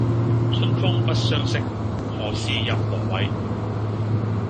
春風不相識，何事入羅幃